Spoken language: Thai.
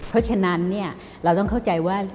เพราะฉะนั้นเราต้องเข้าใจว่า